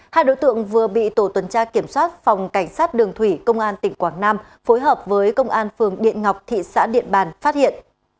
hai đối tượng vừa bị tổ tuần tra kiểm soát phòng cảnh sát đường thủy công an tỉnh quảng nam phối hợp với công an phường điện ngọc thị xã điện bàn phát hiện